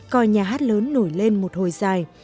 còi nhà hát lớn nổi lên một hồi dài